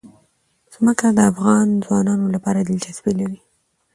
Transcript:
ځمکه د افغان ځوانانو لپاره دلچسپي لري.